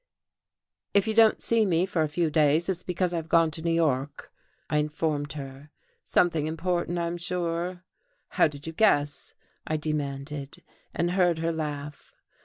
"If you don't see me for a few days it's because I've gone to New York," I informed her. "Something important, I'm sure." "How did you guess?" I demanded, and heard her laugh.